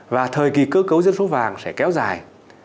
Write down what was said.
và thời kỳ cơ cấu dân số vàng sẽ kéo dài